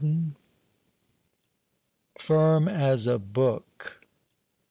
FIRM AS A BOOK.